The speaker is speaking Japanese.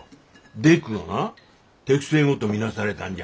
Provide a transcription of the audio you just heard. ディックがな敵性語と見なされたんじゃ。